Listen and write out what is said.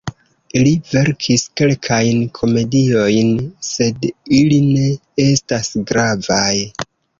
Li verkis kelkajn komediojn, sed ili ne estas gravaj.